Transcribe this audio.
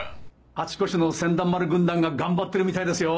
あちこちの船団丸軍団が頑張ってるみたいですよ！